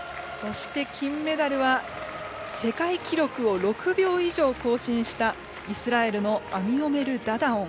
金メダルは世界記録を６秒以上更新したイスラエルのアミオメル・ダダオン。